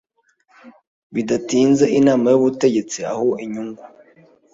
bidatinzeInama y Ubutegetsi aho inyungu